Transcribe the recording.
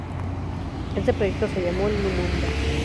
Este proyecto se llamó Lumumba.